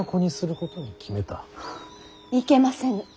いけませぬ。